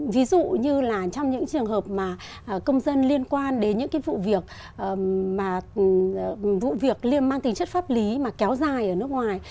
ví dụ như là trong những trường hợp mà công dân liên quan đến những vụ việc liên mang tính chất pháp lý mà kéo dài ở nước ngoài